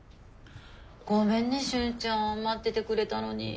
ごめんね俊ちゃん待っててくれたのに。